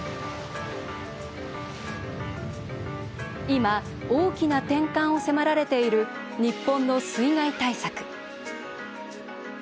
今、大きな転換を迫られている日本の水害対策。